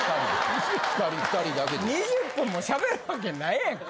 ２０分も喋るわけないやんか。